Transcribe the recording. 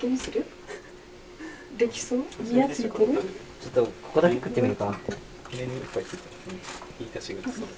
ちょっとここだけ食ってみるか。